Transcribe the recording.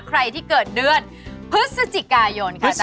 ใครที่เกิดเดือนพฤศจิกายนค่ะ